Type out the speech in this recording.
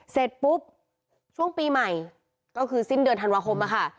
เสร็จปุ๊บช่วงปีใหม่ก็คือสิ้นเดือนธันวาคมอะค่ะ